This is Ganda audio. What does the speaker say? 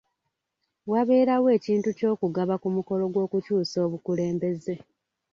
Waberawo ekintu eky'okugaba ku mukulo gw'okukyusa obukulembeze.